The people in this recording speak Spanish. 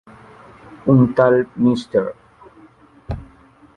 Un tal Mr.